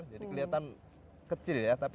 jadi kelihatan kecil ya tapi